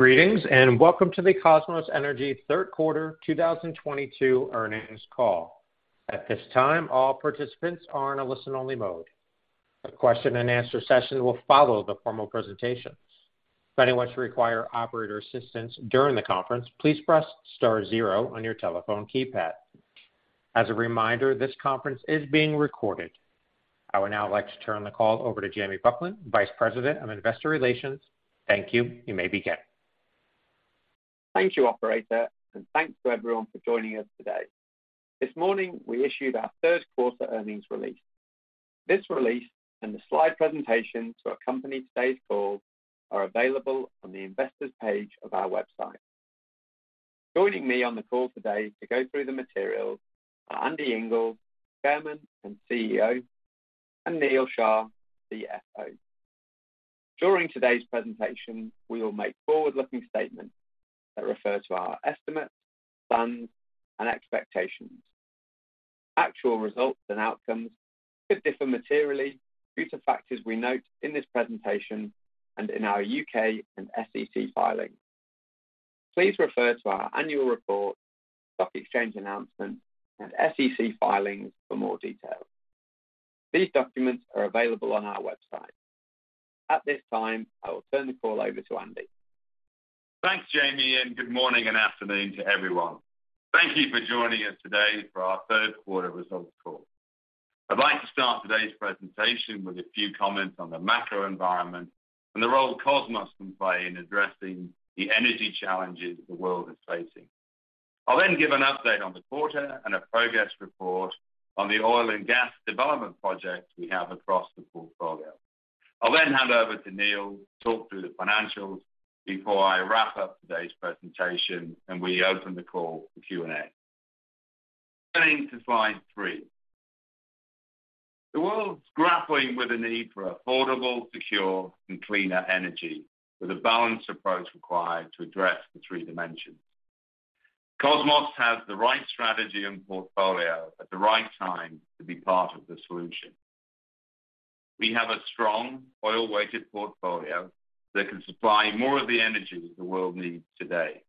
Greetings, and welcome to the Kosmos Energy third quarter 2022 earnings call. At this time, all participants are in a listen-only mode. A question-and answer-session will follow the formal presentations. If anyone should require operator assistance during the conference, please press star zero on your telephone keypad. As a reminder, this conference is being recorded. I would now like to turn the call over to Jamie Buckland, Vice President of Investor Relations. Thank you. You may begin. Thank you operator, and thanks to everyone for joining us today. This morning, we issued our third quarter earnings release. This release and the slide presentation to accompany today's call are available on the investor's page of our website. Joining me on the call today to go through the material are Andy Inglis, Chairman and CEO, and Neal Shah, CFO. During today's presentation, we will make forward-looking statements that refer to our estimates, plans, and expectations. Actual results and outcomes could differ materially due to factors we note in this presentation and in our U.K. and SEC filings. Please refer to our annual report, stock exchange announcement, and SEC filings for more details. These documents are available on our website. At this time, I will turn the call over to Andy. Thanks, Jamie, and good morning and afternoon to everyone. Thank you for joining us today for our third quarter results call. I'd like to start today's presentation with a few comments on the macro environment and the role Kosmos can play in addressing the energy challenges the world is facing. I'll then give an update on the quarter and a progress report on the oil and gas development projects we have across the portfolio. I'll then hand over to Neal to talk through the financials before I wrap up today's presentation, and we open the call for Q and A. Turning to slide three. The world's grappling with a need for affordable, secure, and cleaner energy with a balanced approach required to address the three dimensions. Kosmos has the right strategy and portfolio at the right time to be part of the solution. We have a strong oil-weighted portfolio that can supply more of the energy the world needs today.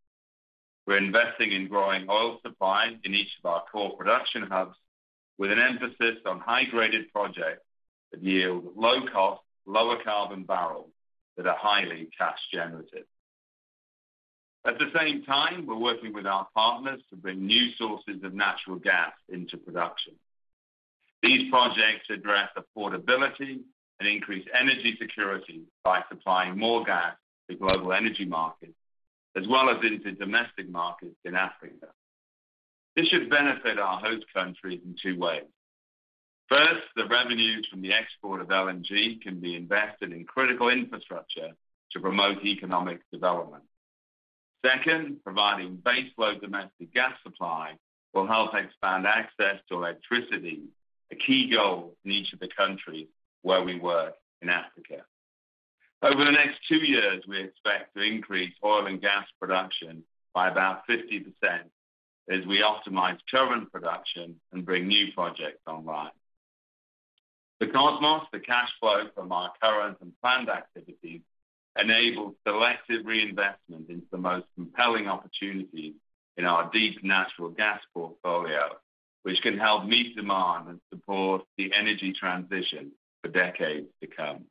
We're investing in growing oil supply in each of our core production hubs with an emphasis on high-graded projects that yield low cost, lower carbon barrels that are highly cash generative. At the same time, we're working with our partners to bring new sources of natural gas into production. These projects address affordability and increase energy security by supplying more gas to global energy markets, as well as into domestic markets in Africa. This should benefit our host countries in two ways. First, the revenues from the export of LNG can be invested in critical infrastructure to promote economic development. Second, providing baseload domestic gas supply will help expand access to electricity, a key goal in each of the countries where we work in Africa. Over the next two years, we expect to increase oil and gas production by about 50% as we optimize current production and bring new projects online. For Kosmos, the cash flow from our current and planned activities enable selective reinvestment into the most compelling opportunities in our deep natural gas portfolio, which can help meet demand and support the energy transition for decades to come.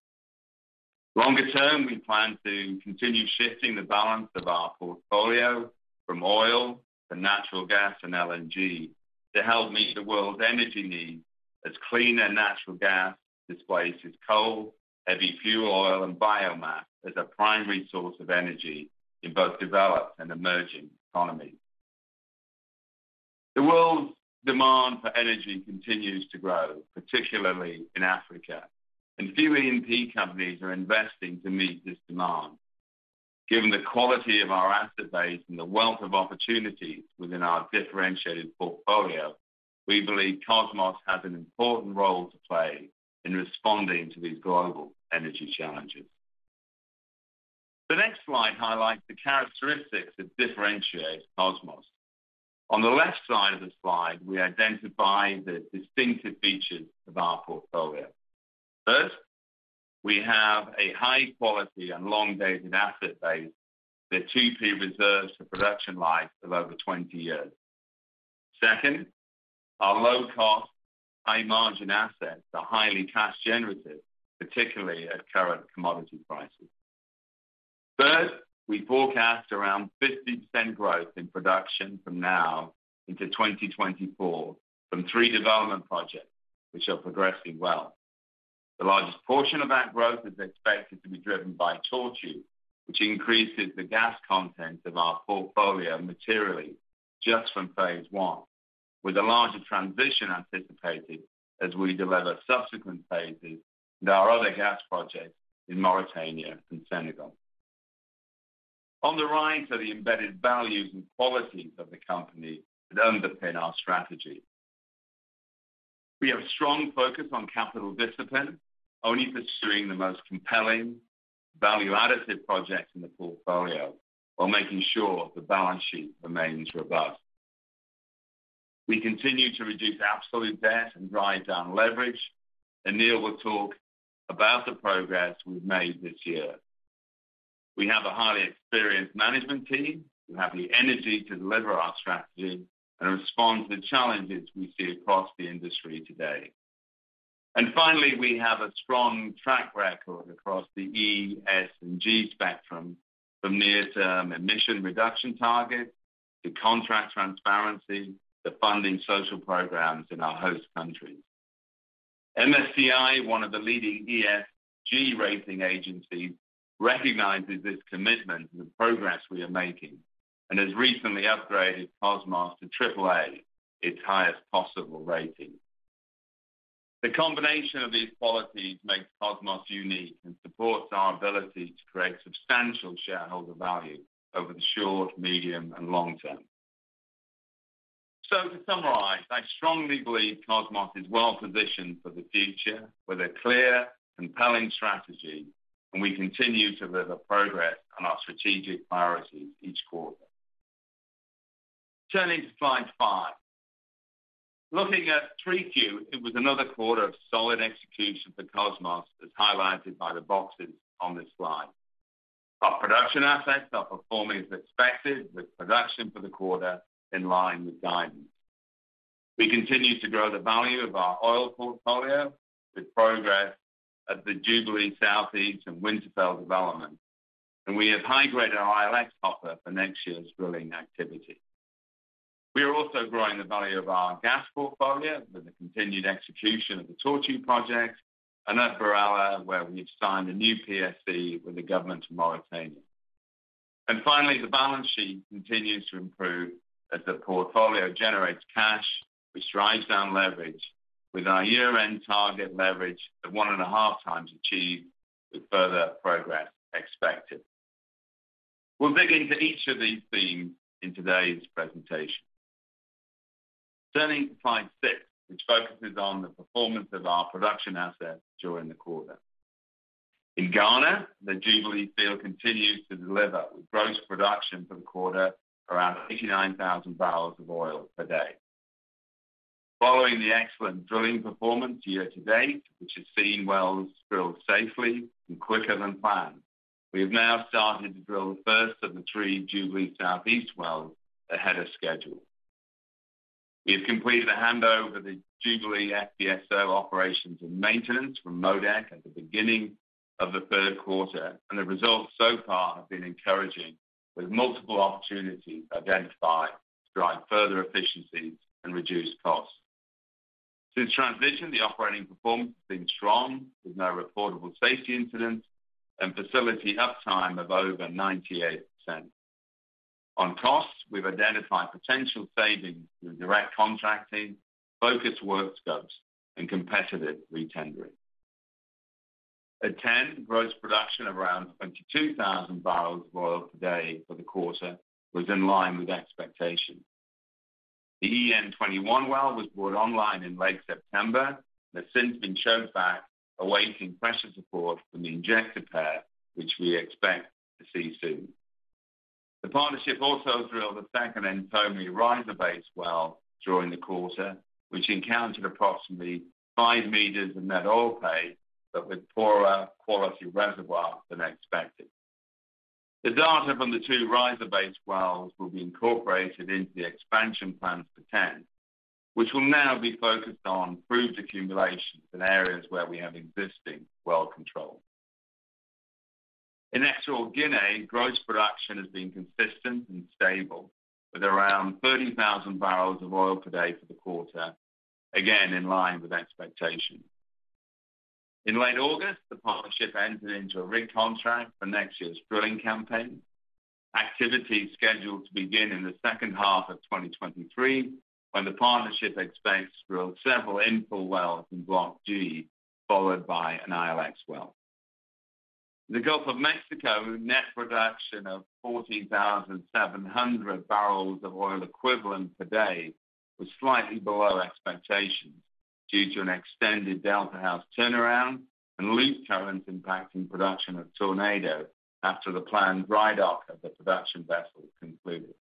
Longer term, we plan to continue shifting the balance of our portfolio from oil to natural gas and LNG to help meet the world's energy needs as cleaner natural gas displaces coal, heavy fuel oil, and biomass as a primary source of energy in both developed and emerging economies. The world's demand for energy continues to grow, particularly in Africa, and few E&P companies are investing to meet this demand. Given the quality of our asset base and the wealth of opportunities within our differentiated portfolio, we believe Kosmos has an important role to play in responding to these global energy challenges. The next slide highlights the characteristics that differentiate Kosmos. On the left side of the slide, we identify the distinctive features of our portfolio. First, we have a high quality and long-dated asset base with 2P reserves to production life of over 20 years. Second, our low cost, high margin assets are highly cash generative, particularly at current commodity prices. Third, we forecast around 50% growth in production from now into 2024 from three development projects which are progressing well. The largest portion of that growth is expected to be driven by Tortue, which increases the gas content of our portfolio materially just from phase one, with a larger transition anticipated as we deliver subsequent phases and our other gas projects in Mauritania and Senegal. On the right are the embedded values and qualities of the company that underpin our strategy. We have strong focus on capital discipline, only pursuing the most compelling value additive projects in the portfolio while making sure the balance sheet remains robust. We continue to reduce absolute debt and drive down leverage. Neal will talk about the progress we've made this year. We have a highly experienced management team who have the energy to deliver our strategy and respond to the challenges we see across the industry today. Finally, we have a strong track record across the ESG spectrum, from near-term emission reduction target to contract transparency to funding social programs in our host countries. MSCI, one of the leading ESG rating agencies, recognizes this commitment and the progress we are making and has recently upgraded Kosmos to triple A, its highest possible rating. The combination of these qualities makes Kosmos unique and supports our ability to create substantial shareholder value over the short, medium, and long term. To summarize, I strongly believe Kosmos is well-positioned for the future with a clear, compelling strategy, and we continue to deliver progress on our strategic priorities each quarter. Turning to slide five. Looking at 3Q, it was another quarter of solid execution for Kosmos, as highlighted by the boxes on this slide. Our production assets are performing as expected, with production for the quarter in line with guidance. We continue to grow the value of our oil portfolio with progress at the Jubilee South East Project and Winterfell development. We have high-graded our ILX offer for next year's drilling activity. We are also growing the value of our gas portfolio with the continued execution of the Tortue project and at BirAllah, where we've signed a new PSC with the government of Mauritania. The balance sheet continues to improve as the portfolio generates cash, which drives down leverage with our year-end target leverage of 1.5x achieved with further progress expected. We'll dig into each of these themes in today's presentation. Turning to slide six, which focuses on the performance of our production assets during the quarter. In Ghana, the Jubilee field continues to deliver with gross production for the quarter around 89,000 barrels of oil per day. Following the excellent drilling performance year to date, which has seen wells drilled safely and quicker than planned, we have now started to drill the first of the three Jubilee South East wells ahead of schedule. We have completed the handover of the Jubilee FPSO operations and maintenance from MODEC at the beginning of the third quarter, and the results so far have been encouraging, with multiple opportunities identified to drive further efficiencies and reduce costs. Since transition, the operating performance has been strong, with no reportable safety incidents and facility uptime of over 98%. On costs, we've identified potential savings with direct contracting, focused work scopes, and competitive retendering. At TEN, gross production around 22,000 barrels of oil per day for the quarter was in line with expectation. The EN-21 well was brought online in late September and has since been choked back, awaiting pressure support from the injector pair, which we expect to see soon. The partnership also drilled the second Ntomme riser-based well during the quarter, which encountered approximately five meters of net oil pay, but with poorer quality reservoir than expected. The data from the two riser-based wells will be incorporated into the expansion plans for TEN, which will now be focused on proved accumulations in areas where we have existing well control. In Equatorial Guinea, gross production has been consistent and stable, with around 30,000 barrels of oil per day for the quarter, again in line with expectation. In late August, the partnership entered into a rig contract for next year's drilling campaign. Activity is scheduled to begin in the second half of 2023, when the partnership expects to drill several infill wells in Block G, followed by an ILX well. The Gulf of Mexico net production of 40,700 barrels of oil equivalent per day was slightly below expectations due to an extended Delta House turnaround and Loop Current impacting production at Tornado after the planned dry dock of the production vessel concluded.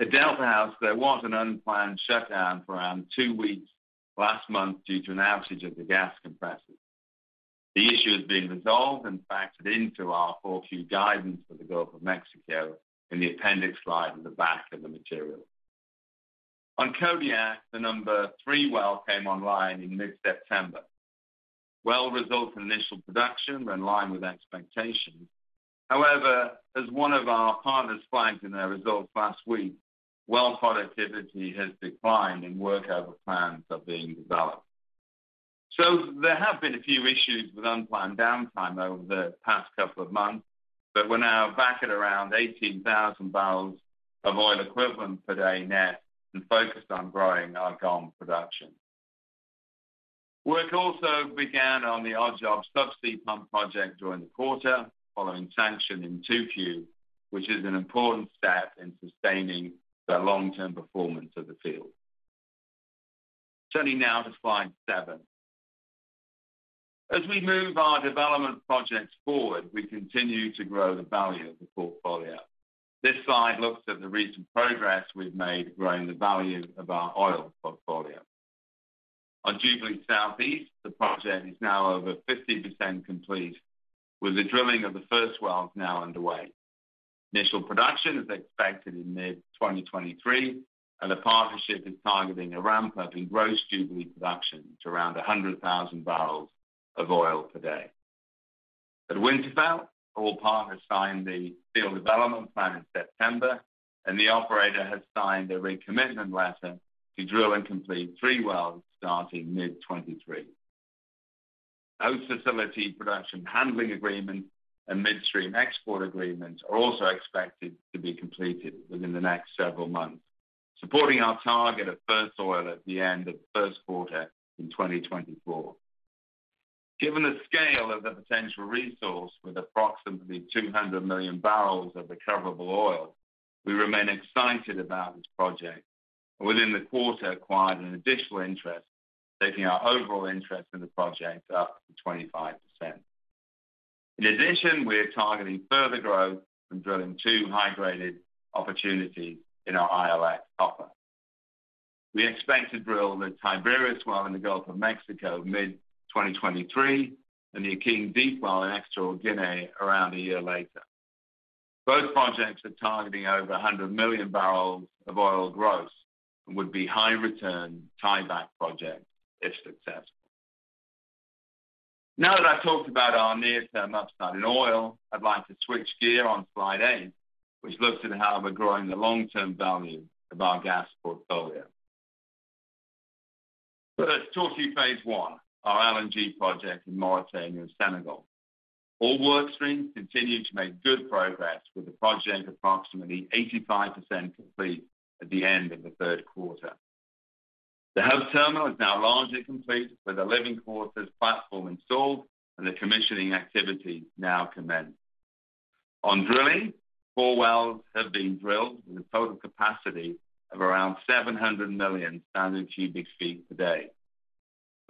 At Delta House, there was an unplanned shutdown for around two weeks last month due to an outage of the gas compressor. The issue has been resolved and factored into our full-year guidance for the Gulf of Mexico in the appendix slide at the back of the material. On Kodiak, the number three well came online in mid-September. Well results and initial production were in line with expectations. However, as one of our partners flagged in their results last week, well productivity has declined and workover plans are being developed. There have been a few issues with unplanned downtime over the past couple of months, but we're now back at around 18,000 barrels of oil equivalent per day net and focused on growing our GOM production. Work also began on the Odd Job Subsea pump project during the quarter following sanction in 2Q, which is an important step in sustaining the long-term performance of the field. Turning now to slide seven. As we move our development projects forward, we continue to grow the value of the portfolio. This slide looks at the recent progress we've made growing the value of our oil portfolio. On Jubilee South East, the project is now over 50% complete, with the drilling of the first well now underway. Initial production is expected in mid-2023, and the partnership is targeting a ramp-up in gross Jubilee production to around 100,000 barrels of oil per day. At Winterfell, all partners signed the field development plan in September, and the operator has signed a recommitment letter to drill and complete three wells starting mid-2023. Both facility production handling agreement and midstream export agreements are also expected to be completed within the next several months, supporting our target of first oil at the end of first quarter in 2024. Given the scale of the potential resource with approximately 200 million barrels of recoverable oil, we remain excited about this project. Within the quarter acquired an additional interest, taking our overall interest in the project up to 25%. In addition, we are targeting further growth from drilling two high-graded opportunities in our ILX offshore. We expect to drill the Tiberius well in the Gulf of Mexico mid-2023 and the Akeng Deep well in Equatorial Guinea around a year later. Both projects are targeting over 100 million barrels of oil growth and would be high return tieback projects if successful. Now that I've talked about our near-term upside in oil, I'd like to switch gears on slide eight, which looks at how we're growing the long-term value of our gas portfolio. Let's talk to phase one, our LNG project in Mauritania, Senegal. All work streams continue to make good progress with the project approximately 85% complete at the end of the third quarter. The hub terminal is now largely complete with the living quarters platform installed and the commissioning activity now commenced. On drilling, four wells have been drilled with a total capacity of around 700 million standard cubic feet per day.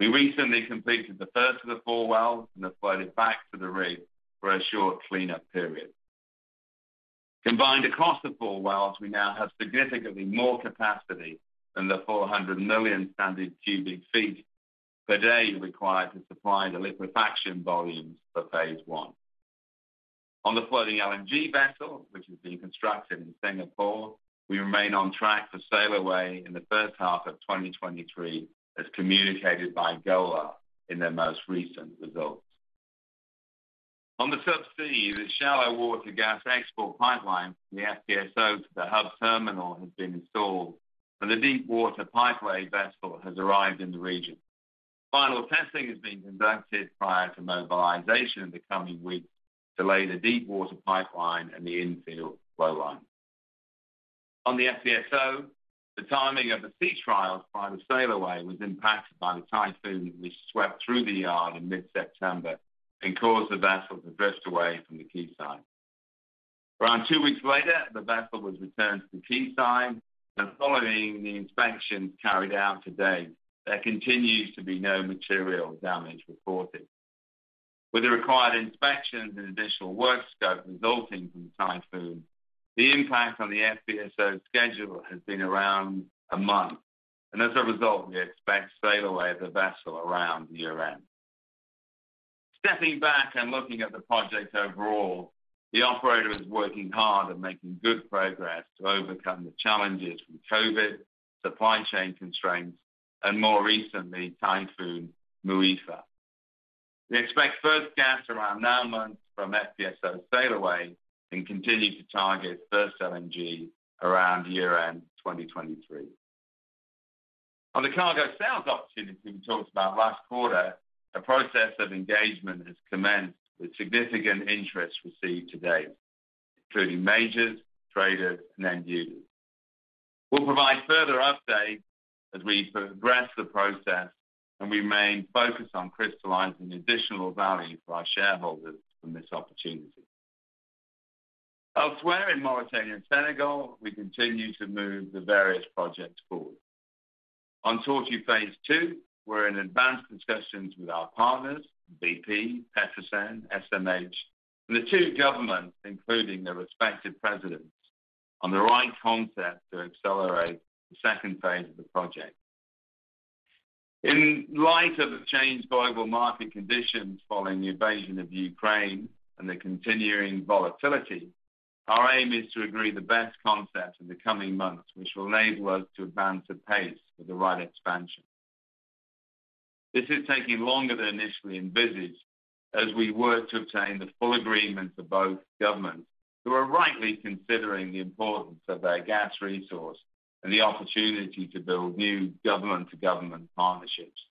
We recently completed the first of the four wells and have floated back to the rig for a short cleanup period. Combined across the four wells, we now have significantly more capacity than the 400 million standard cubic feet per day required to supply the liquefaction volumes for phase one. On the floating LNG vessel, which is being constructed in Singapore, we remain on track for sail away in the first half of 2023, as communicated by Golar LNG in their most recent results. On the subsea, the shallow water gas export pipeline from the FPSO to the hub terminal has been installed, and the deep water pipe lay vessel has arrived in the region. Final testing is being conducted prior to mobilization in the coming weeks to lay the deep water pipeline and the infill flow line. On the FPSO, the timing of the sea trials by the sail away was impacted by the typhoon which swept through the yard in mid-September and caused the vessel to drift away from the quayside. Around two weeks later, the vessel was returned to the quayside, and following the inspections carried out to date, there continues to be no material damage reported. With the required inspections and additional work scope resulting from the typhoon, the impact on the FPSO schedule has been around a month. As a result, we expect sail away of the vessel around year-end. Stepping back and looking at the project overall, the operator is working hard and making good progress to overcome the challenges from COVID, supply chain constraints, and more recently, Typhoon Muifa. We expect first gas around nine months from FPSO sail away and continue to target first LNG around year-end 2023. On the cargo sales opportunity we talked about last quarter, a process of engagement has commenced with significant interest received to date, including majors, traders, and end users. We'll provide further updates as we progress the process, and we remain focused on crystallizing additional value for our shareholders from this opportunity. Elsewhere in Mauritania and Senegal, we continue to move the various projects forward. On Tortue Phase 2, we're in advanced discussions with our partners, BP, Petrosen, SMH, and the two governments, including their respective presidents, on the right concept to accelerate the second phase of the project. In light of the changed global market conditions following the invasion of Ukraine and the continuing volatility, our aim is to agree the best concept in the coming months, which will enable us to advance apace for the right expansion. This is taking longer than initially envisaged as we work to obtain the full agreement of both governments, who are rightly considering the importance of their gas resource and the opportunity to build new government-to-government partnerships.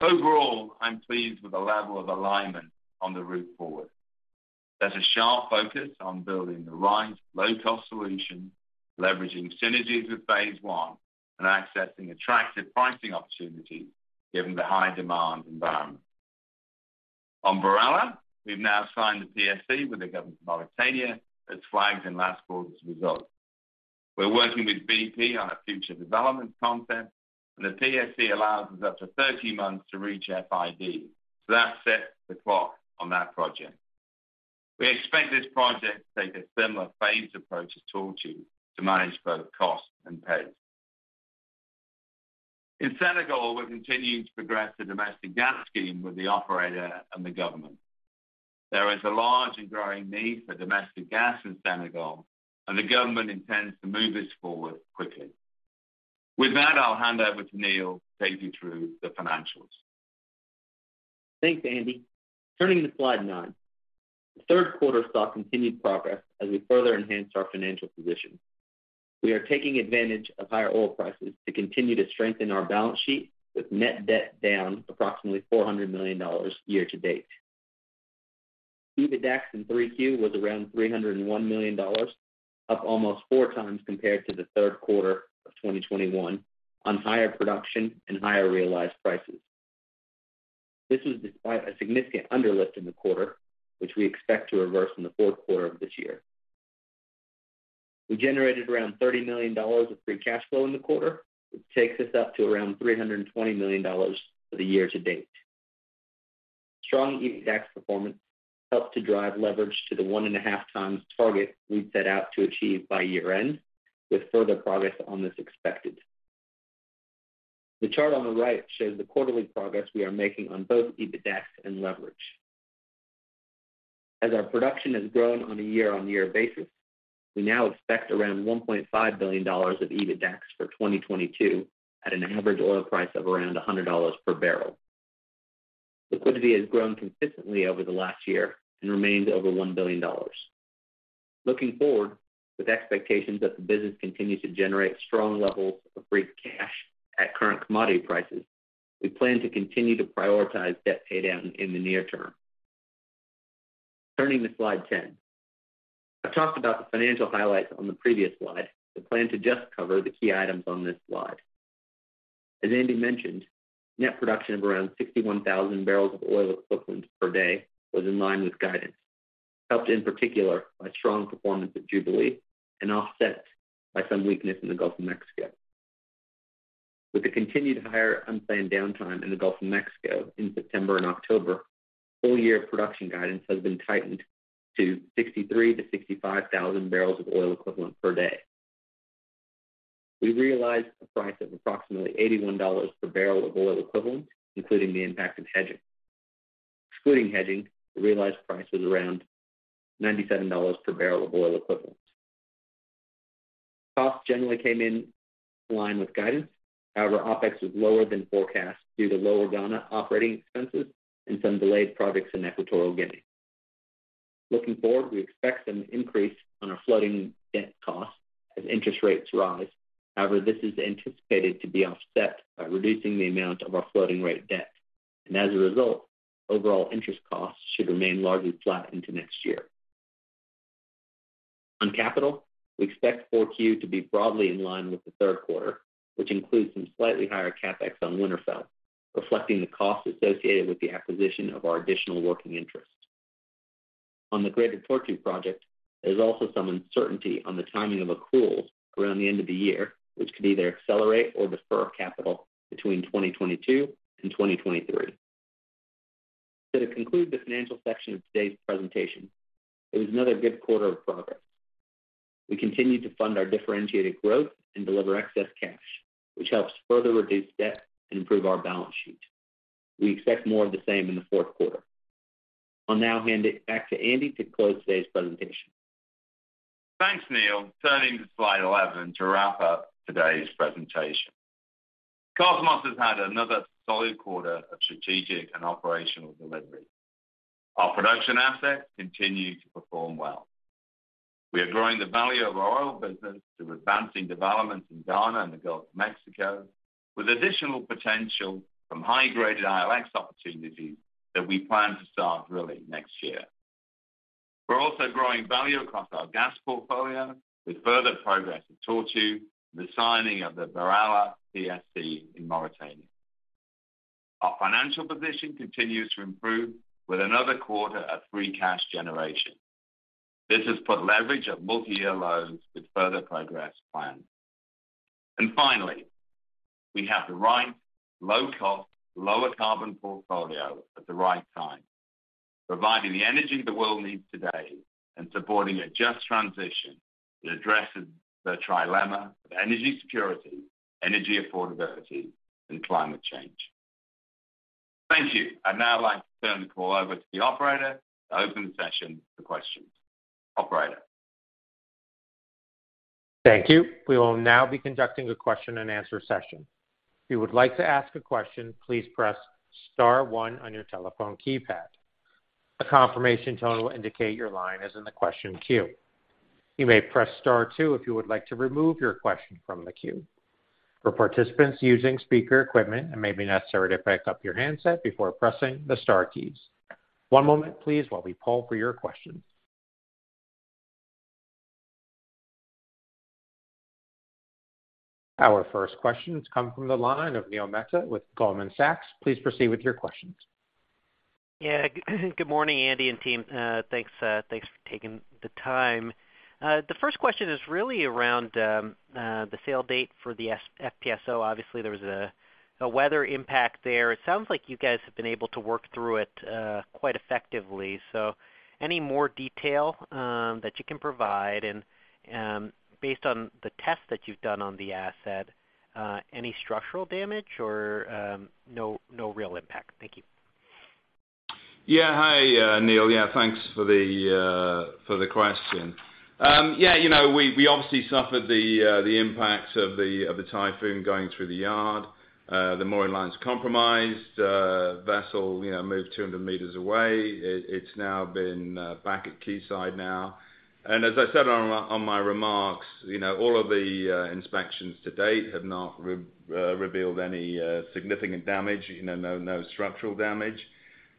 Overall, I'm pleased with the level of alignment on the route forward. There's a sharp focus on building the right low cost solution, leveraging synergies with phase one and accessing attractive pricing opportunities given the high demand environment. On BirAllah, we've now signed the PSC with the government of Mauritania as flagged in last quarter's results. We're working with BP on a future development concept, and the PSC allows us up to 13 months to reach FID, so that sets the clock on that project. We expect this project to take a similar phased approach to Tortue to manage both cost and pace. In Senegal, we're continuing to progress the domestic gas scheme with the operator and the government. There is a large and growing need for domestic gas in Senegal, and the government intends to move this forward quickly. With that, I'll hand over to Neal to take you through the financials. Thanks, Andy. Turning to slide nine. The third quarter saw continued progress as we further enhanced our financial position. We are taking advantage of higher oil prices to continue to strengthen our balance sheet with net debt down approximately $400 million year-to-date. EBITDA in 3Q was around $301 million, up almost four times compared to the third quarter of 2021 on higher production and higher realized prices. This was despite a significant underlift in the quarter, which we expect to reverse in the fourth quarter of this year. We generated around $30 million of free cash flow in the quarter, which takes us up to around $320 million for the year-to-date. Strong EBITDA performance helped to drive leverage to the 1.5 times target we'd set out to achieve by year-end, with further progress on this expected. The chart on the right shows the quarterly progress we are making on both EBITDA and leverage. As our production has grown on a year-on-year basis, we now expect around $1.5 billion of EBITDA for 2022 at an average oil price of around $100 per barrel. Liquidity has grown consistently over the last year and remains over $1 billion. Looking forward, with expectations that the business continues to generate strong levels of free cash at current commodity prices, we plan to continue to prioritize debt pay down in the near term. Turning to slide ten. I've talked about the financial highlights on the previous slide and plan to just cover the key items on this slide. As Andy mentioned, net production of around 61,000 barrels of oil equivalent per day was in line with guidance, helped in particular by strong performance at Jubilee and offset by some weakness in the Gulf of Mexico. With the continued higher unplanned downtime in the Gulf of Mexico in September and October, full year production guidance has been tightened to 63,000-65,000 barrels of oil equivalent per day. We realized a price of approximately $81 per barrel of oil equivalent, including the impact of hedging. Excluding hedging, the realized price was around $97 per barrel of oil equivalent. Costs generally came in line with guidance. However, OpEx was lower than forecast due to lower Ghana operating expenses and some delayed projects in Equatorial Guinea. Looking forward, we expect an increase on our floating debt cost as interest rates rise. However, this is anticipated to be offset by reducing the amount of our floating rate debt. As a result, overall interest costs should remain largely flat into next year. On capital, we expect Q4 to be broadly in line with the third quarter, which includes some slightly higher CapEx on Winterfell, reflecting the costs associated with the acquisition of our additional working interest. On the Greater Tortue project, there's also some uncertainty on the timing of accruals around the end of the year, which could either accelerate or defer capital between 2022 and 2023. To conclude the financial section of today's presentation, it was another good quarter of progress. We continued to fund our differentiated growth and deliver excess cash, which helps further reduce debt and improve our balance sheet. We expect more of the same in the fourth quarter. I'll now hand it back to Andy to close today's presentation. Thanks, Neal. Turning to slide 11 to wrap up today's presentation. Kosmos has had another solid quarter of strategic and operational delivery. Our production assets continue to perform well. We are growing the value of our oil business through advancing developments in Ghana and the Gulf of Mexico, with additional potential from high-graded ILX opportunities that we plan to start drilling next year. We're also growing value across our gas portfolio with further progress at Tortue, the signing of the BirAllah PSC in Mauritania. Our financial position continues to improve with another quarter of free cash generation. This has put leverage of multi-year lows with further progress planned. Finally, we have the right low-cost, lower carbon portfolio at the right time, providing the energy the world needs today and supporting a just transition that addresses the trilemma of energy security, energy affordability, and climate change. Thank you. I'd now like to turn the call over to the operator to open the session for questions. Operator? Thank you. We will now be conducting a question-and-answer session. If you would like to ask a question, please press star one on your telephone keypad. A confirmation tone will indicate your line is in the question queue. You may press star two if you would like to remove your question from the queue. For participants using speaker equipment, it may be necessary to pick up your handset before pressing the star keys. One moment please while we poll for your questions. Our first question has come from the line of Neil Mehta with Goldman Sachs. Please proceed with your questions. Yeah. Good morning, Andy and team. Thanks for taking the time. The first question is really around the sale date for the FPSO. Obviously, there was a weather impact there. It sounds like you guys have been able to work through it quite effectively. Any more detail that you can provide? Based on the test that you've done on the asset, any structural damage or no real impact? Thank you. Yeah. Hi, Neil. Yeah, thanks for the question. Yeah, you know, we obviously suffered the impact of the typhoon going through the yard. The mooring line's compromised. Vessel, you know, moved 200 meters away. It's now been back at quayside now. As I said on my remarks, you know, all of the inspections to date have not revealed any significant damage. You know, no structural damage.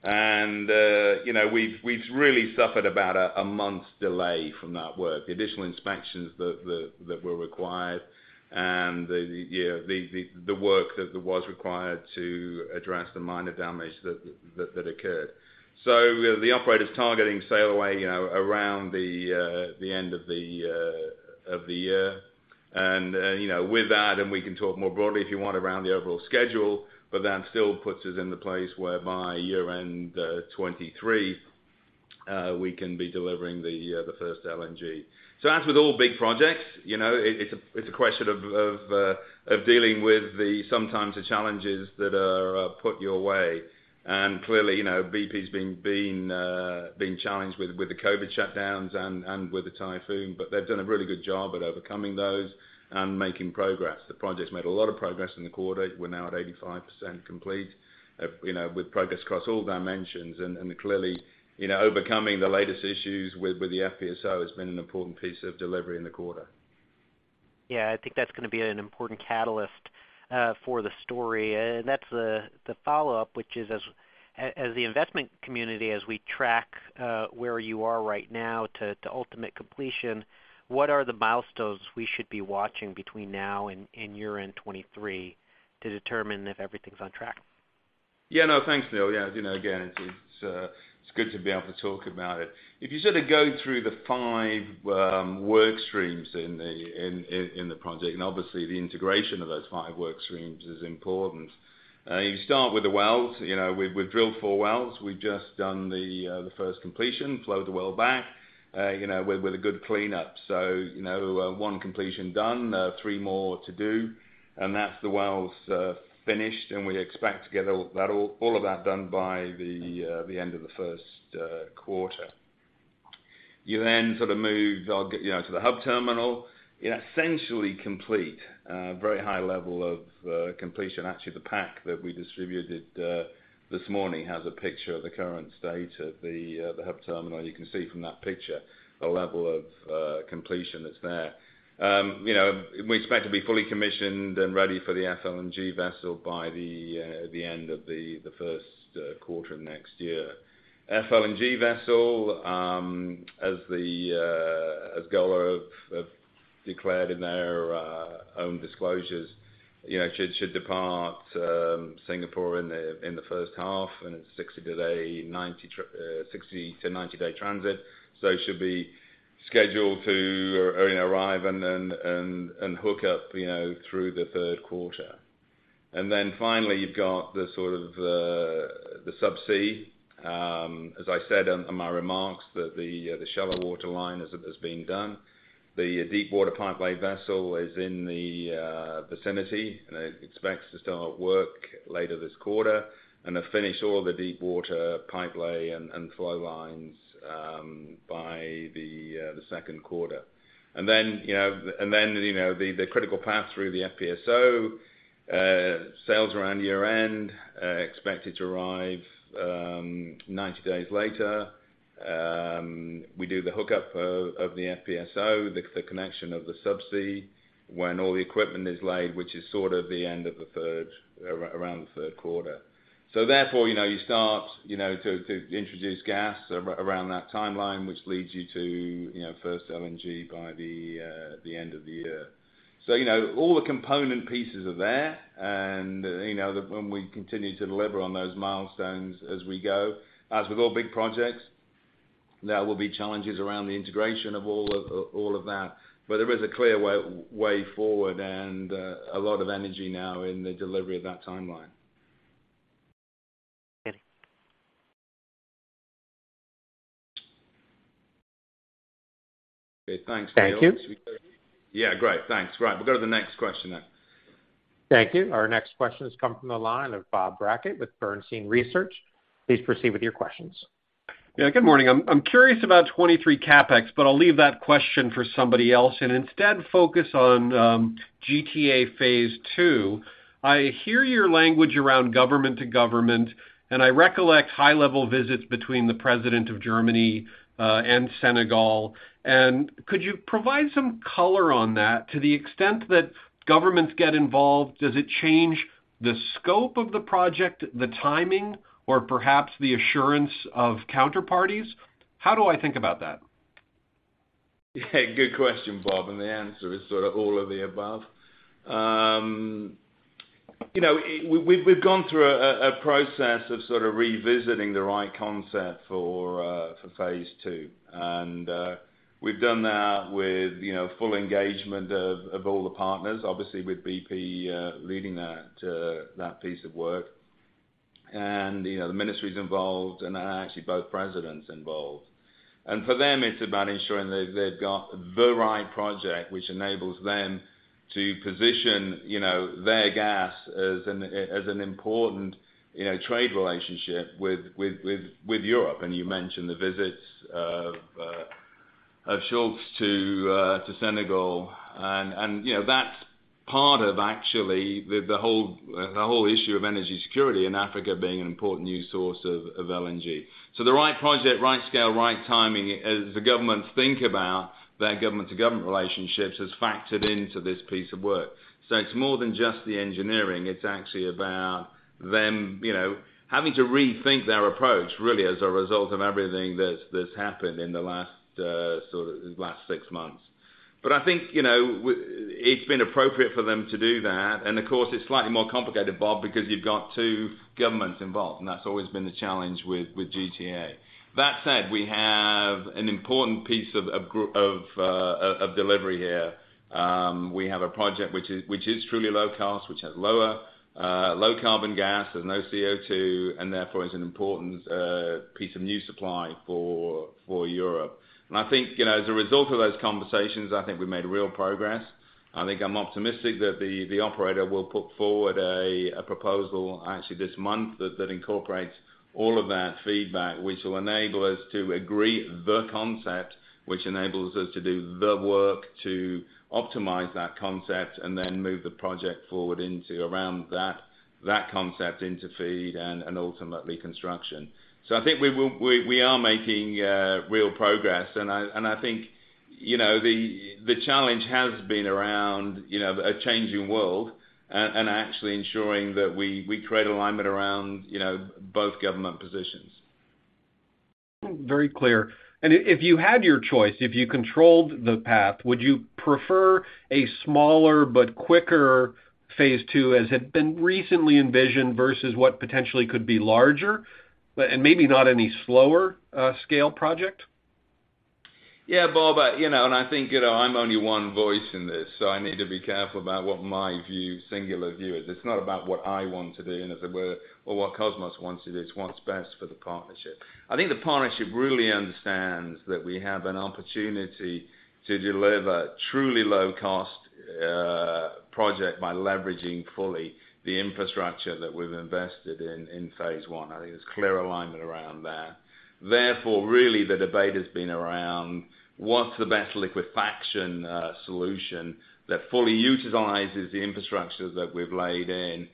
You know, we've really suffered about a month's delay from that work. The additional inspections that were required and the work that was required to address the minor damage that occurred. The operator's targeting sail away, you know, around the end of the year. You know, with that, and we can talk more broadly if you want around the overall schedule, but that still puts us in the place where by year-end 2023, we can be delivering the first LNG. As with all big projects, you know, it's a question of dealing with the sometimes the challenges that are put your way. Clearly, you know, BP's been being challenged with the COVID shutdowns and with the Typhoon, but they've done a really good job at overcoming those and making progress. The project's made a lot of progress in the quarter. We're now at 85% complete, you know, with progress across all dimensions. Clearly, you know, overcoming the latest issues with the FPSO has been an important piece of delivery in the quarter. Yeah, I think that's gonna be an important catalyst for the story. That's the follow-up, which is as the investment community as we track where you are right now to ultimate completion, what are the milestones we should be watching between now and year-end 2023 to determine if everything's on track? Yeah, no, thanks, Neil. Yeah, you know, again, it's good to be able to talk about it. If you sort of go through the five work streams in the project, and obviously the integration of those five work streams is important. You start with the wells. You know, we've drilled four wells. We've just done the first completion, flow the well back, you know, with a good cleanup. So, you know, one completion done, three more to do, and that's the wells finished, and we expect to get all that done by the end of the first quarter. You then sort of move. I'll get, you know, to the hub terminal. Essentially complete, very high level of completion. Actually, the pack that we distributed this morning has a picture of the current state of the hub terminal. You can see from that picture the level of completion that's there. You know, we expect to be fully commissioned and ready for the FLNG vessel by the end of the first quarter of next year. FLNG vessel, as Golar have declared in their own disclosures, you know, should depart Singapore in the first half, and it's a 60- to 90-day transit. So it should be scheduled to, you know, arrive and then hook up, you know, through the third quarter. Then finally, you've got the sort of the subsea. As I said on my remarks that the shallow water line has been done. The deep water pipelay vessel is in the vicinity and expects to start work later this quarter. They've finished all the deep water pipelay and flow lines by the second quarter. Then, you know, the critical path through the FPSO sails around year-end, expected to arrive 90 days later. We do the hookup of the FPSO, the connection of the subsea when all the equipment is laid, which is sort of the end of the third, around the third quarter. Therefore, you know, you start, you know, to introduce gas around that timeline, which leads you to, you know, first LNG by the end of the year. You know, all the component pieces are there. You know, when we continue to deliver on those milestones as we go. As with all big projects, there will be challenges around the integration of all of that. There is a clear way forward and a lot of energy now in the delivery of that timeline. Okay. Okay, thanks, Neal. Thank you. Yeah. Great. Thanks. Right. We'll go to the next question now. Thank you. Our next question has come from the line of Bob Brackett with Bernstein Research. Please proceed with your questions. Yeah, good morning. I'm curious about 2023 CapEx, but I'll leave that question for somebody else and instead focus on GTA phase 2. I hear your language around government to government, and I recollect high-level visits between the president of Germany and Senegal. Could you provide some color on that to the extent that governments get involved? Does it change the scope of the project, the timing, or perhaps the assurance of counterparties? How do I think about that? Yeah, good question, Bob. The answer is sort of all of the above. We've gone through a process of sort of revisiting the right concept for phase 2. We've done that with full engagement of all the partners, obviously with BP leading that piece of work. You know, the ministry's involved, and actually both presidents involved. For them, it's about ensuring that they've got the right project, which enables them to position their gas as an important trade relationship with Europe. You mentioned the visits of Scholz to Senegal. You know, that's part of actually the whole issue of energy security and Africa being an important new source of LNG. The right project, right scale, right timing as the governments think about their government-to-government relationships has factored into this piece of work. It's more than just the engineering. It's actually about them, you know, having to rethink their approach really as a result of everything that's happened in the last sort of six months. I think, you know, it's been appropriate for them to do that. Of course, it's slightly more complicated, Bob, because you've got two governments involved, and that's always been the challenge with GTA. That said, we have an important piece of delivery here. We have a project which is truly low cost, which has low carbon gas. There's no CO2, and therefore is an important piece of new supply for Europe. I think, you know, as a result of those conversations, I think we made real progress. I think I'm optimistic that the operator will put forward a proposal actually this month that incorporates all of that feedback, which will enable us to agree the concept, which enables us to do the work to optimize that concept and then move the project forward into around that concept into FEED and ultimately construction. I think we are making real progress. I think, you know, the challenge has been around, you know, a changing world and actually ensuring that we create alignment around, you know, both government positions. Very clear. If you had your choice, if you controlled the path, would you prefer a smaller but quicker phase 2, as had been recently envisioned, versus what potentially could be larger, but and maybe not any slower scale project? Yeah, Bob. You know, and I think, you know, I'm only one voice in this, so I need to be careful about what my view, singular view is. It's not about what I want to do in this or what Kosmos wants to do. It's what's best for the partnership. I think the partnership really understands that we have an opportunity to deliver truly low cost project by leveraging fully the infrastructure that we've invested in phase 1. I think there's clear alignment around that. Therefore, really the debate has been around what's the best liquefaction solution that fully utilizes the infrastructure that we've laid in?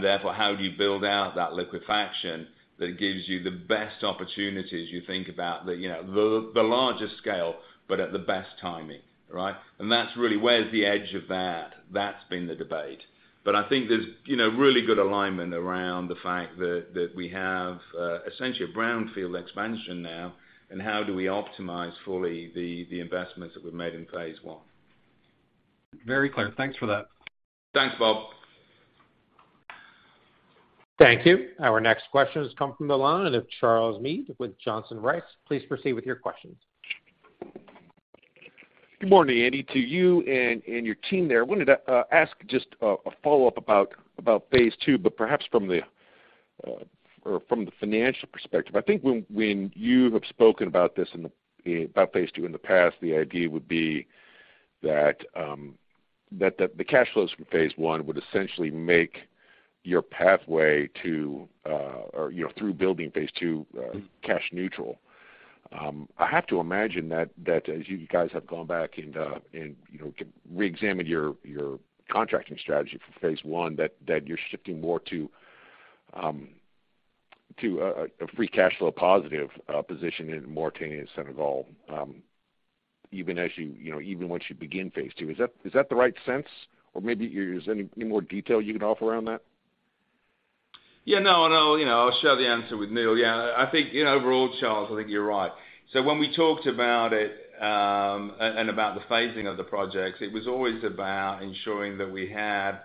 Therefore, how do you build out that liquefaction that gives you the best opportunities you think about the, you know, the larger scale, but at the best timing, right? That's really where's the edge of that. That's been the debate. I think there's, you know, really good alignment around the fact that we have essentially a brownfield expansion now and how do we optimize fully the investments that we've made in phase 1. Very clear. Thanks for that. Thanks, Bob. Thank you. Our next question has come from the line of Charles Meade with Johnson Rice & Company. Please proceed with your questions. Good morning, Andy, to you and your team there. Wanted to ask just a follow-up about phase two, but perhaps from the financial perspective. I think when you have spoken about phase two in the past, the idea would be that the cash flows from phase one would essentially make your pathway to, you know, through building phase two, cash neutral. I have to imagine that as you guys have gone back and you know, re-examined your contracting strategy for phase one, that you're shifting more to a free cash flow positive position in Mauritania Senegal, even as you know, even once you begin phase two. Is that the right sense? Maybe you use any more detail you can offer around that? Yeah, no. You know, I'll share the answer with Neal. Yeah, I think overall, Charles, I think you're right. When we talked about it and about the phasing of the projects, it was always about ensuring that we had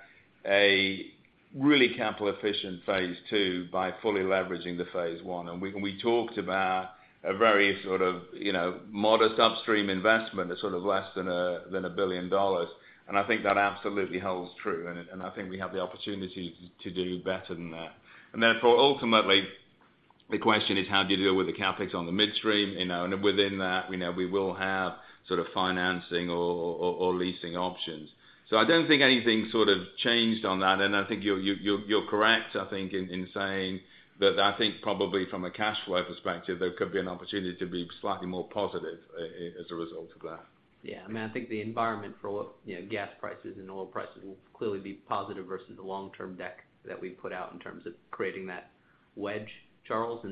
a really capital efficient phase 2 by fully leveraging the phase 1. We talked about a very sort of, you know, modest upstream investment that's sort of less than $1 billion. I think that absolutely holds true, and I think we have the opportunity to do better than that. Therefore, ultimately, the question is how do you deal with the CapEx on the midstream. You know, and within that, you know, we will have sort of financing or leasing options. I don't think anything sort of changed on that. I think you're correct, I think in saying that I think probably from a cash flow perspective, there could be an opportunity to be slightly more positive as a result of that. Yeah. I mean, I think the environment for you know, gas prices and oil prices will clearly be positive versus the long-term deck that we put out in terms of creating that wedge, Charles.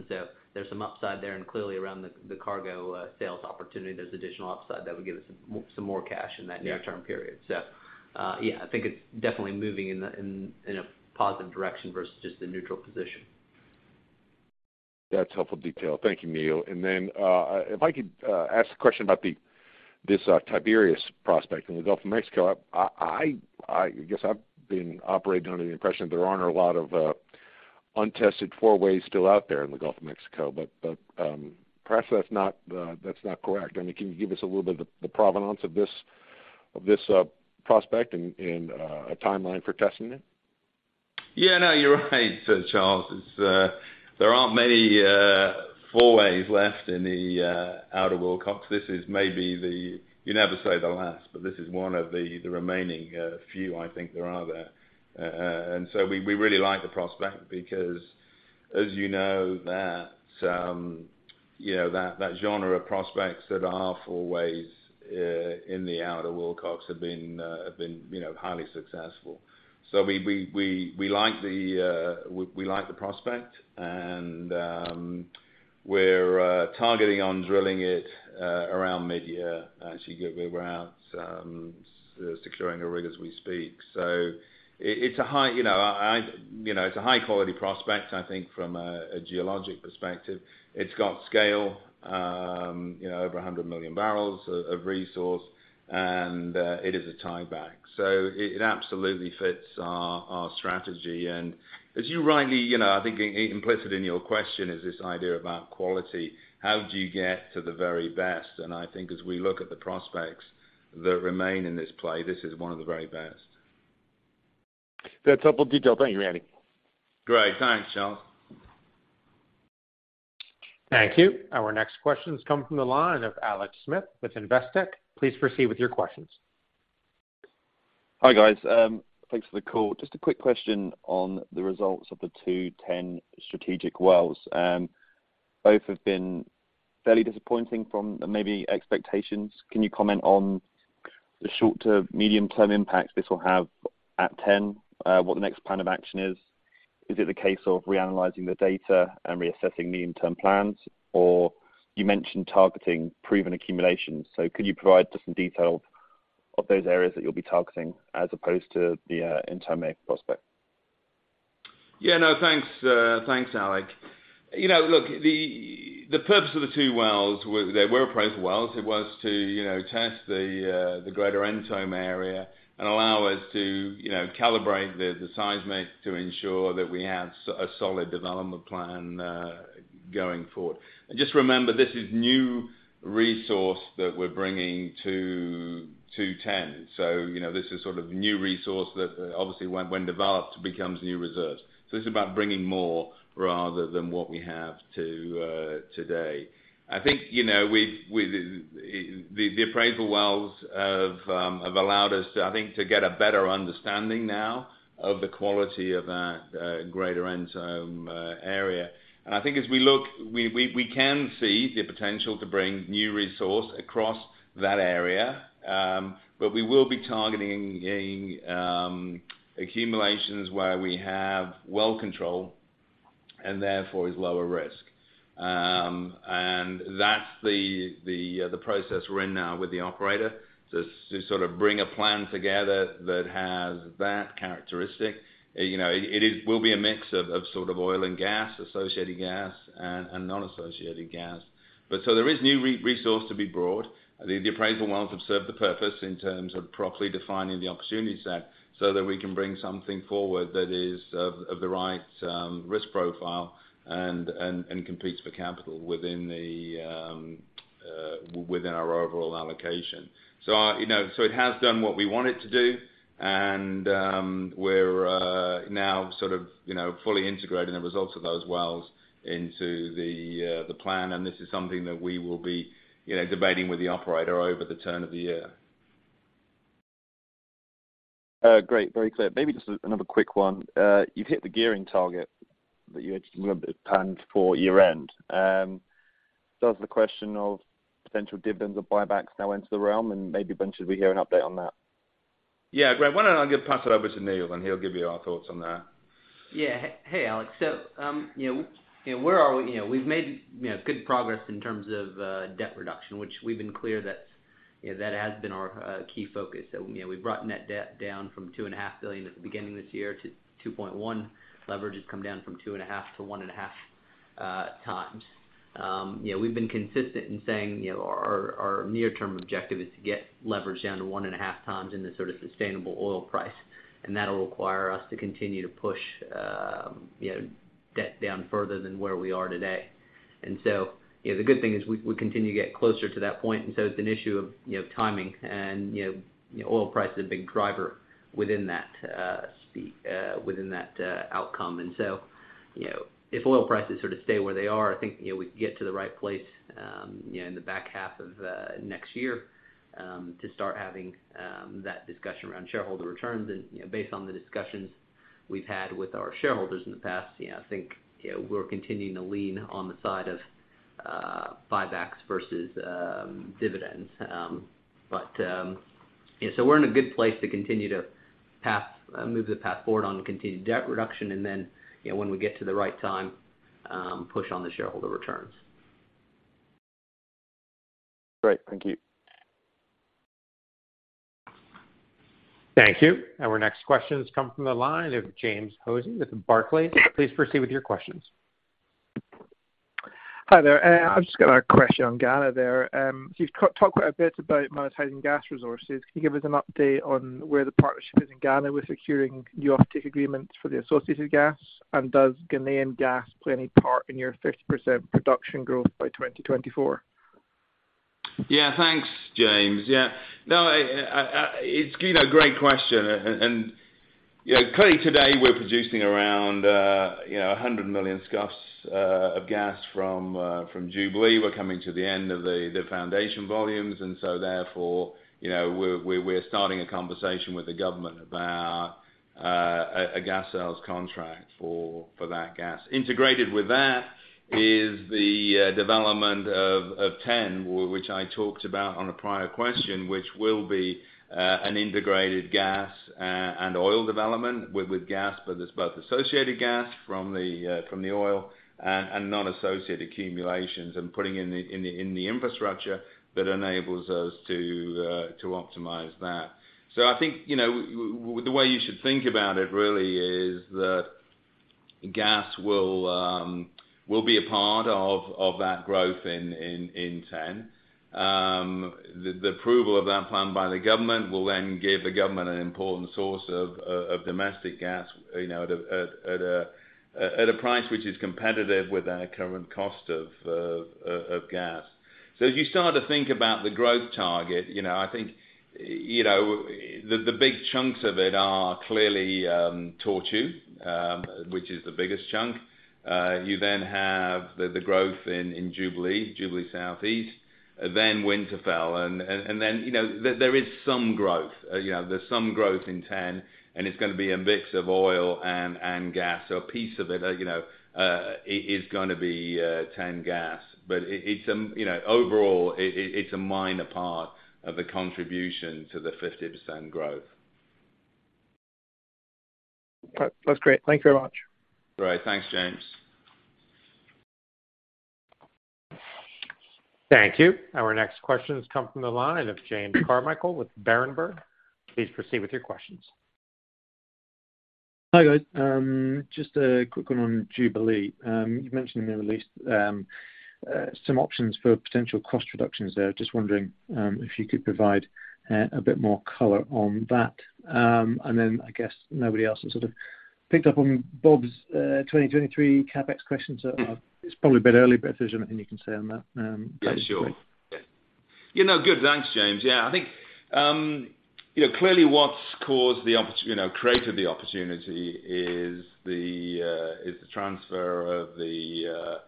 There's some upside there. Clearly around the cargo sales opportunity, there's additional upside that would give us some more cash in that near-term period. Yeah, I think it's definitely moving in a positive direction versus just the neutral position. That's helpful detail. Thank you, Neal. If I could ask the question about this Tiberius prospect in the Gulf of Mexico. I guess I've been operating under the impression there aren't a lot of untested four-ways still out there in the Gulf of Mexico. But perhaps that's not correct. I mean, can you give us a little bit of the provenance of this prospect and a timeline for testing it? Yeah, no, you're right, Sir Charles. There aren't many four-ways left in the outer Wilcox. You never say the last, but this is one of the remaining few I think there are there. We really like the prospect because as you know, that genre of prospects that are four-ways in the outer Wilcox have been, you know, highly successful. We like the prospect and we're targeting on drilling it around mid-year. Actually, we're securing a rig as we speak. It's a high quality prospect, you know, I think from a geologic perspective. It's got scale, you know, over 100 million barrels of resource, and it is a tieback. It absolutely fits our strategy. As you rightly, you know, I think implicit in your question is this idea about quality. How do you get to the very best? I think as we look at the prospects that remain in this play, this is one of the very best. That's helpful detail. Thank you, Andy. Great. Thanks, Charles. Thank you. Our next question comes from the line of Alex Smith with Investec. Please proceed with your questions. Hi, guys. Thanks for the call. Just a quick question on the results of the two TEN strategic wells. Both have been fairly disappointing from the maybe expectations. Can you comment on the short- to medium-term impact this will have at TEN? What the next plan of action is? Is it the case of reanalyzing the data and reassessing the interim plans? Or you mentioned targeting proven accumulations. Could you provide just some detail of those areas that you'll be targeting as opposed to the Ntomme prospect? Yeah. No, thanks, Alex. You know, look, the purpose of the two wells were they were appraisal wells. It was to, you know, test the greater Ntomme area and allow us to, you know, calibrate the seismic to ensure that we have a solid development plan going forward. Just remember, this is new resource that we're bringing to TEN. You know, this is sort of new resource that obviously when developed becomes new reserves. This is about bringing more rather than what we have today. I think, you know, we've. The appraisal wells have allowed us to, I think, to get a better understanding now of the quality of that greater Ntomme area. I think as we look, we can see the potential to bring new resource across that area. We will be targeting accumulations where we have well control and therefore is lower risk. That's the process we're in now with the operator to sort of bring a plan together that has that characteristic. You know, it will be a mix of sort of oil and gas, associated gas and non-associated gas. There is new resource to be brought. The appraisal wells have served the purpose in terms of properly defining the opportunity set so that we can bring something forward that is of the right risk profile and competes for capital within our overall allocation. You know, so it has done what we want it to do, and we're now sort of, you know, fully integrating the results of those wells into the plan. This is something that we will be, you know, debating with the operator over the turn of the year. Great. Very clear. Maybe just another quick one. You've hit the gearing target that you had planned for year-end. Does the question of potential dividends or buybacks now enter the realm and maybe when should we hear an update on that? Yeah. Great. Why don't I pass it over to Neal, and he'll give you our thoughts on that. Yeah. Hey, Alex. You know, where are we? You know, we've made, you know, good progress in terms of, debt reduction, which we've been clear that, you know, that has been our, key focus. You know, we've brought net debt down from $2.5 billion at the beginning of this year to $2.1 billion. Leverage has come down from 2.5 to 1.5 times. You know, we've been consistent in saying, you know, our near-term objective is to get leverage down to 1.5 times in the sort of sustainable oil price. That'll require us to continue to push, you know, debt down further than where we are today. You know, the good thing is we continue to get closer to that point, and so it's an issue of you know, timing and you know, oil price is a big driver within that outcome. You know, if oil prices sort of stay where they are, I think you know, we can get to the right place you know, in the back half of next year to start having that discussion around shareholder returns. You know, based on the discussions we've had with our shareholders in the past, you know, I think you know, we're continuing to lean on the side of buybacks versus dividends. We're in a good place to continue to move the path forward on the continued debt reduction and then, you know, when we get to the right time, push on the shareholder returns. Great. Thank you. Thank you. Our next question comes from the line of James Hosie with Barclays. Please proceed with your questions. Hi there. I've just got a question on Ghana there. You've talked a bit about monetizing gas resources. Can you give us an update on where the partnership is in Ghana with securing new offtake agreements for the associated gas? And does Ghanaian gas play any part in your 50% production growth by 2024? Yeah. Thanks, James. Yeah. No, it's, you know, a great question. And, you know, clearly today we're producing around, you know, 100 million scf of gas from Jubilee. We're coming to the end of the foundation volumes, and so therefore, you know, we're starting a conversation with the government about a gas sales contract for that gas. Integrated with that is the development of TEN, which I talked about on a prior question, which will be an integrated gas and oil development with gas. There's both associated gas from the oil and non-associated accumulations and putting in the infrastructure that enables us to optimize that. I think, you know, with the way you should think about it really is that gas will be a part of that growth in TEN. The approval of that plan by the government will then give the government an important source of domestic gas, you know, at a price which is competitive with our current cost of gas. As you start to think about the growth target, you know, I think, you know, the big chunks of it are clearly Tortue, which is the biggest chunk. You then have the growth in Jubilee South East, then Winterfell and then, you know, there is some growth. You know, there's some growth in TEN, and it's gonna be a mix of oil and gas. A piece of it, you know, is gonna be TEN gas. But it's, you know, overall, it's a minor part of the contribution to the 50% growth. That's great. Thank you very much. All right. Thanks, James. Thank you. Our next question comes from the line of James Carmichael with Berenberg. Please proceed with your questions. Hi, guys. Just a quick one on Jubilee. You mentioned in the release some options for potential cost reductions there. Just wondering if you could provide a bit more color on that. I guess nobody else has sort of picked up on Bob's 2023 CapEx question. It's probably a bit early, but if there's anything you can say on that. Yeah, sure. That'd be great. Yeah. You know, good. Thanks, James. Yeah. I think, you know, clearly what's caused created the opportunity is the transfer of the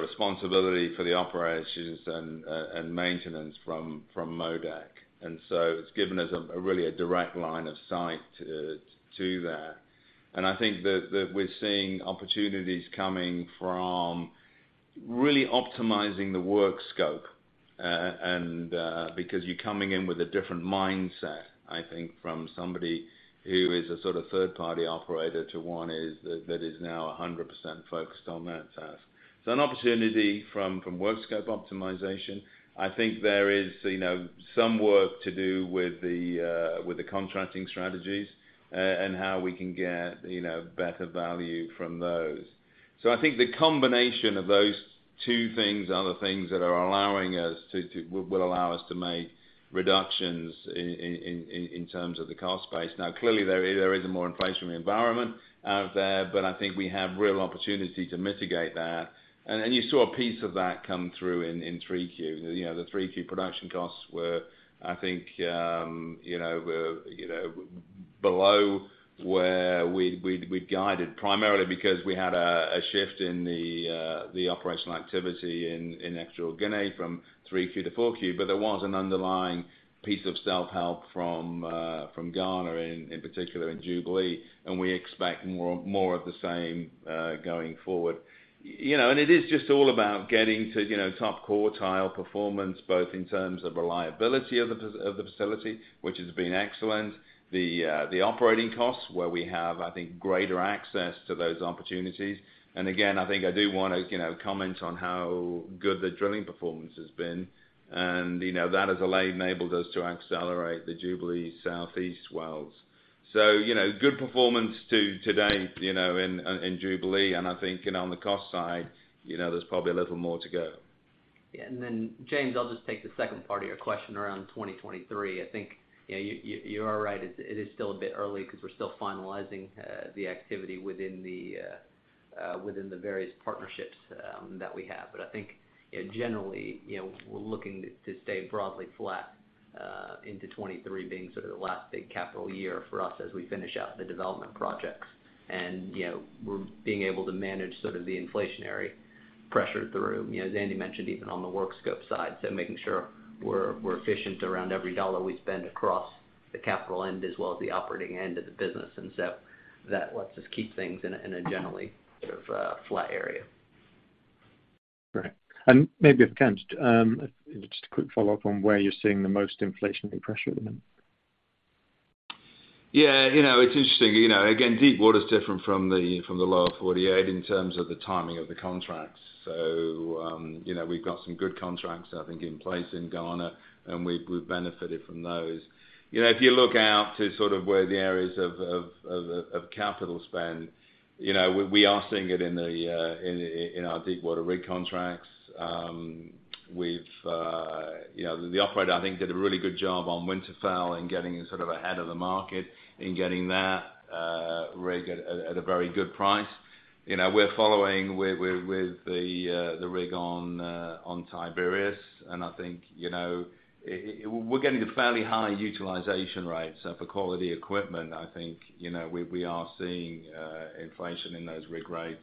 responsibility for the operations and maintenance from MODEC. It's given us a really direct line of sight to that. I think that we're seeing opportunities coming from really optimizing the work scope, and because you're coming in with a different mindset, I think, from somebody who is a sort of third party operator to one that is now 100% focused on that task. An opportunity from work scope optimization. I think there is, you know, some work to do with the contracting strategies, and how we can get, you know, better value from those. I think the combination of those two things are the things that will allow us to make reductions in terms of the cost base. Now, clearly, there is a more inflationary environment out there, but I think we have real opportunity to mitigate that. You saw a piece of that come through in 3Q. You know, the 3Q production costs were, I think, you know, below where we'd guided primarily because we had a shift in the operational activity in Equatorial Guinea from 3Q to 4Q. There was an underlying piece of self-help from Ghana in particular in Jubilee, and we expect more of the same going forward. You know, it is just all about getting to, you know, top quartile performance, both in terms of reliability of the facility, which has been excellent, the operating costs, where we have, I think, greater access to those opportunities. Again, I think I do wanna, you know, comment on how good the drilling performance has been. You know, that has all enabled us to accelerate the Jubilee South East wells. You know, good performance to today, you know, in Jubilee. I think, you know, on the cost side, you know, there's probably a little more to go. Yeah. James, I'll just take the second part of your question around 2023. I think, you know, you are right. It is still a bit early 'cause we're still finalizing the activity within the various partnerships that we have. I think, you know, generally, you know, we're looking to stay broadly flat into 2023 being sort of the last big capital year for us as we finish up the development projects. You know, we're being able to manage sort of the inflationary pressure through, you know, as Andy mentioned, even on the work scope side. Making sure we're efficient around every dollar we spend across the capital end as well as the operating end of the business. That lets us keep things in a generally sort of flat area. Great. Maybe if I can, just a quick follow-up on where you're seeing the most inflationary pressure at the moment. Yeah. You know, it's interesting. You know, again, deepwater is different from the, from the Lower48 in terms of the timing of the contracts. You know, we've got some good contracts, I think, in place in Ghana, and we've benefited from those. You know, if you look out to sort of where the areas of capital spend, you know, we are seeing it in our deepwater rig contracts. You know, the operator, I think, did a really good job on Winterfell in getting in sort of ahead of the market, in getting that rig at a very good price. You know, we're following with the rig on Tiberius. I think, you know, we're getting fairly high utilization rates for quality equipment. I think, you know, we are seeing inflation in those rig rates.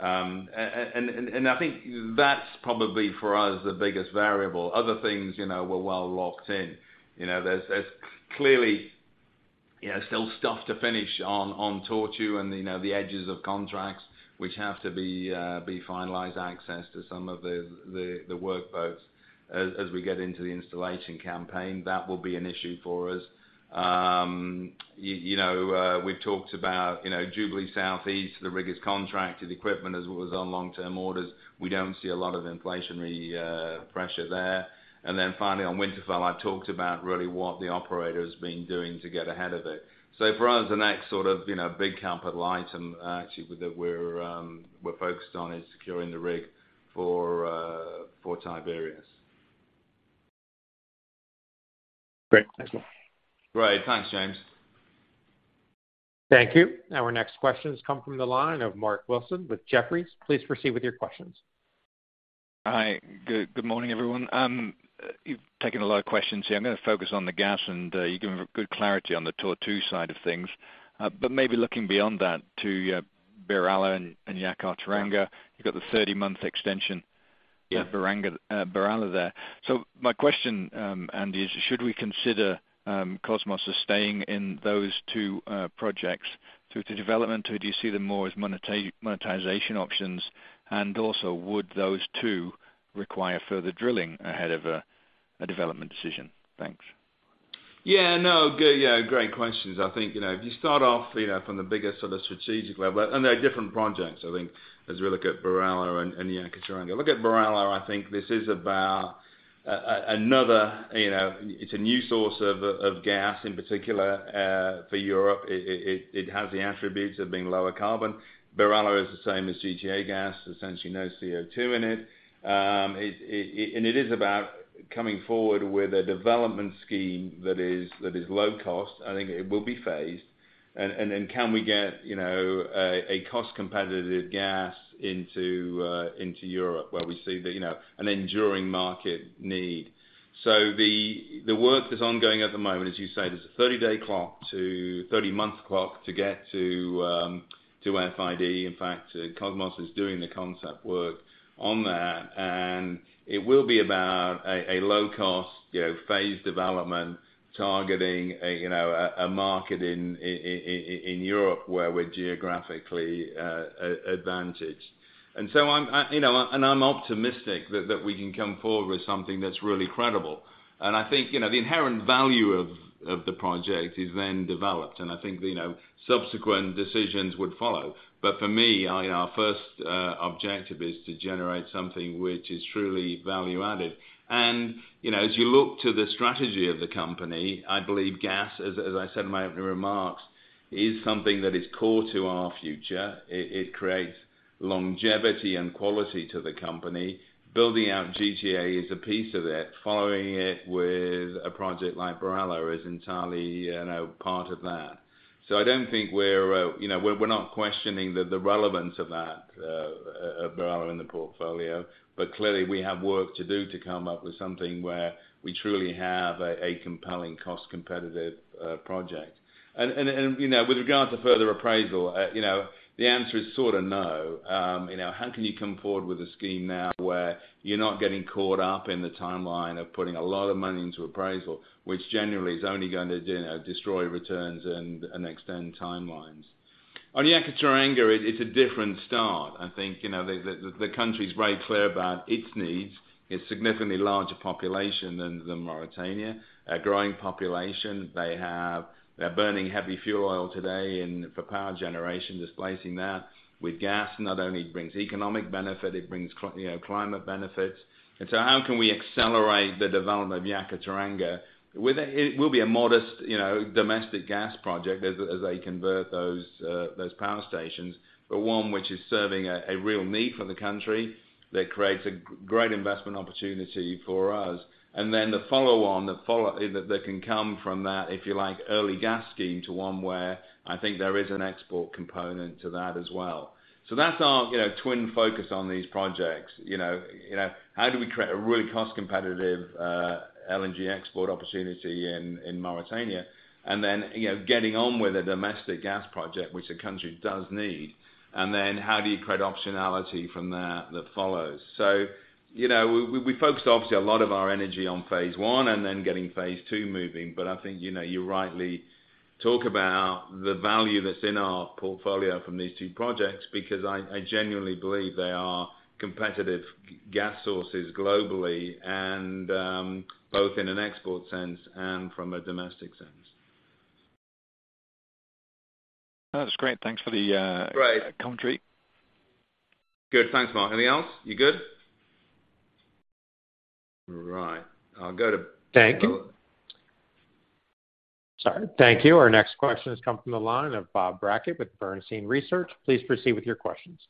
I think that's probably for us, the biggest variable. Other things, you know, we're well locked in. You know, there's clearly, you know, still stuff to finish on Tortue and, you know, the edges of contracts, which have to be finalized, access to some of the workboats. As we get into the installation campaign, that will be an issue for us. You know, we've talked about, you know, Jubilee South East, the rig is contracted, equipment as it was on long-term orders. We don't see a lot of inflationary pressure there. Then finally on Winterfell, I talked about really what the operator has been doing to get ahead of it. For us, the next sort of, you know, big capital item, actually that we're focused on is securing the rig for Tiberius. Great. Thanks, man. Great. Thanks, James. Thank you. Our next question has come from the line of Mark Wilson with Jefferies. Please proceed with your questions. Hi. Good morning, everyone. You've taken a lot of questions. I'm gonna focus on the gas, and you've given good clarity on the Tortue side of things. Maybe looking beyond that to BirAllah and Yakaar-Teranga. You've got the 30-month extension- Yeah. For BirAllah there. My question, Andy, is should we consider Kosmos sustaining in those two projects through to development, or do you see them more as monetization options? And also, would those two require further drilling ahead of a development decision? Thanks. Yeah, no. Good. Yeah, great questions. I think, you know, if you start off, you know, from the biggest of the strategic level. They're different projects, I think, as we look at BirAllah and Yakaar-Teranga. Look at BirAllah. I think this is about another, you know. It's a new source of gas in particular for Europe. It has the attributes of being lower carbon. BirAllah is the same as GTA gas, essentially no CO₂ in it. And it is about coming forward with a development scheme that is low cost. I think it will be phased. Then can we get, you know, a cost competitive gas into Europe where we see the, you know, an enduring market need. The work is ongoing at the moment. As you say, there's a 30-month clock to get to FID. In fact, Kosmos is doing the concept work on that, and it will be about a low cost, you know, phased development targeting, you know, a market in Europe where we're geographically advantaged. You know, I'm optimistic that we can come forward with something that's really credible. I think, you know, the inherent value of the project is then developed. I think, you know, subsequent decisions would follow. For me, our first objective is to generate something which is truly value added. You know, as you look to the strategy of the company, I believe gas, as I said in my opening remarks, is something that is core to our future. It creates longevity and quality to the company. Building out GTA is a piece of it. Following it with a project like BirAllah is entirely, you know, part of that. I don't think we're questioning the relevance of that of BirAllah in the portfolio. Clearly, we have work to do to come up with something where we truly have a compelling cost competitive project. You know, with regards to further appraisal, you know, the answer is sort of no. You know, how can you come forward with a scheme now where you're not getting caught up in the timeline of putting a lot of money into appraisal, which generally is only going to, you know, destroy returns and extend timelines. On Yakaar-Teranga, it's a different start. I think, you know, the country is very clear about its needs. It's significantly larger population than Mauritania. A growing population. They're burning heavy fuel oil today for power generation, displacing that with gas not only brings economic benefit, it brings climate benefits. How can we accelerate the development of Yakaar-Teranga? It will be a modest, you know, domestic gas project as they convert those power stations, but one which is serving a real need for the country that creates a great investment opportunity for us. The follow on that can come from that, if you like, early gas scheme to one where I think there is an export component to that as well. That's our, you know, twin focus on these projects. You know, how do we create a really cost competitive LNG export opportunity in Mauritania? You know, getting on with a domestic gas project which the country does need. How do you create optionality from that that follows? You know, we focused obviously a lot of our energy on phase one and then getting phase 2 moving. I think, you rightly talk about the value that's in our portfolio from these two projects, because I genuinely believe they are competitive gas sources globally and both in an export sense and from a domestic sense. That's great. Thanks for the Great. Commentary. Good. Thanks, Mark. Anything else? You good? All right. I'll go to. Thank you. Sorry. Thank you. Our next question has come from the line of Bob Brackett with Bernstein Research. Please proceed with your questions.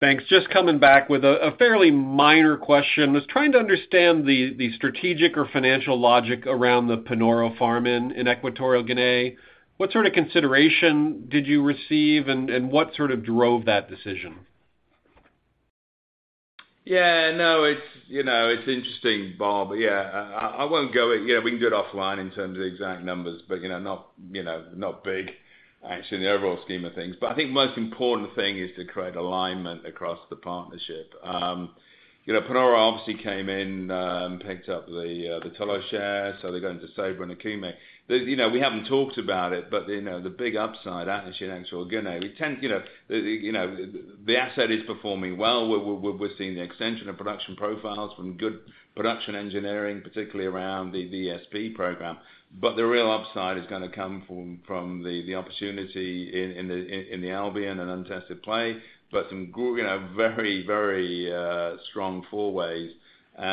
Thanks. Just coming back with a fairly minor question. Was trying to understand the strategic or financial logic around the Panoro farm-in in Equatorial Guinea. What sort of consideration did you receive and what sort of drove that decision? Yeah. No, it's, you know, it's interesting, Bob. Yeah. I won't go. You know, we can do it offline in terms of the exact numbers, but, you know, not big actually in the overall scheme of things. I think most important thing is to create alignment across the partnership. You know, Panoro obviously came in, picked up the Talos share, so they're going to Ceiba and Okume. You know, we haven't talked about it, but, you know, the big upside actually in Equatorial Guinea. You know, the asset is performing well. We're seeing the extension of production profiles from good production engineering, particularly around the VSP program. The real upside is gonna come from the opportunity in the Albian and untested play, plus, you know, very strong four-way.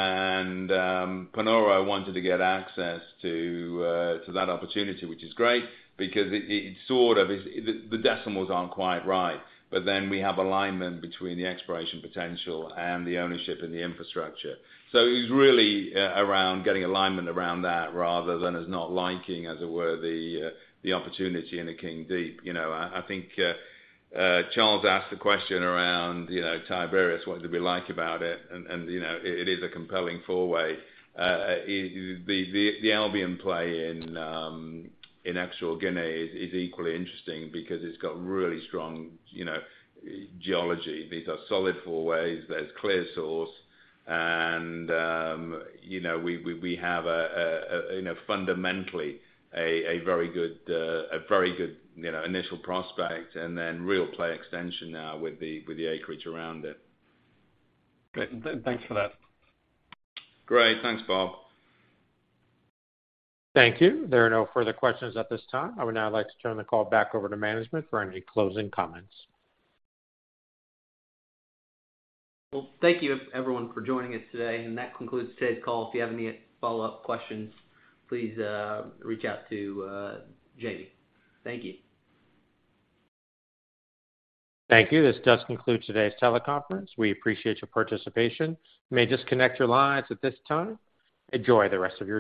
Panoro wanted to get access to that opportunity, which is great because it sort of is, the decimals aren't quite right, but then we have alignment between the exploration potential and the ownership and the infrastructure. It's really around getting alignment around that rather than us not liking, as it were, the opportunity in the Akeng Deep. You know, I think Charles asked the question around, you know, Tiberius, what did we like about it and, you know, it is a compelling four-way. The Albian play in Equatorial Guinea is equally interesting because it's got really strong, you know, geology. These are solid four-ways. There's clear source and, you know, we have a fundamentally a very good, you know, initial prospect and then real play extension now with the acreage around it. Great. Thanks for that. Great. Thanks, Bob. Thank you. There are no further questions at this time. I would now like to turn the call back over to management for any closing comments. Well, thank you everyone for joining us today, and that concludes today's call. If you have any follow-up questions, please reach out to Jamie. Thank you. Thank you. This does conclude today's teleconference. We appreciate your participation. You may disconnect your lines at this time. Enjoy the rest of your day.